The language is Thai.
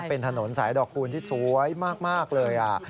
เป็นถนนสายดอกคูณที่สวยมากเลย